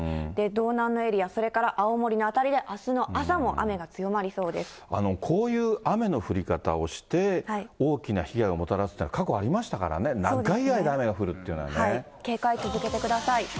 道南のエリア、それから青森の辺りであすの朝も雨が強まりそうでこういう雨の降り方をして、大きな被害をもたらすっていうのは、過去ありましたからね、警戒続けてください。